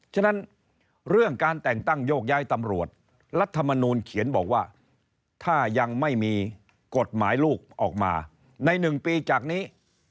ฉะนั้นเรื่องการแต่งตั้งโยกย้ายตำรวจรัฐมนูลเขียนบอกว่าถ้ายังไม่มีกฎหมายลูกออกมาใน๑ปีจากนี้